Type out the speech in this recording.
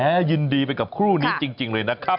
หมอกิตติวัตรว่ายังไงบ้างมาเป็นผู้ทานที่นี่แล้วอยากรู้สึกยังไงบ้าง